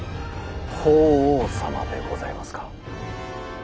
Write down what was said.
法皇様でございますか。